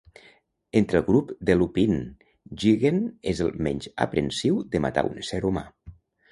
Entre el grup de Lupin, Jigen és el menys aprehensiu de matar un ésser humà.